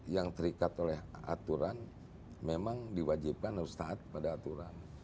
yang terikat oleh aturan memang diwajibkan harus taat pada aturan